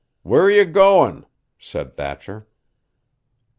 "Where are you going?" said Thatcher.